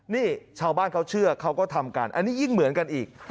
นี่ชาวบ้านเขาเชื่อเขาก็ทำกันอันนี้ยิ่งเหมือนกันอีก